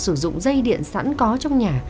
sử dụng dây điện sẵn có trong nhà